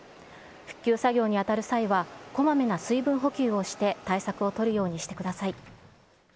復旧作業に当たる際は、こまめな水分補給をして対策を取るようにしてください。